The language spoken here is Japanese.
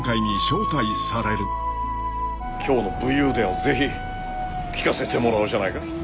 今日の武勇伝をぜひ聞かせてもらおうじゃないか。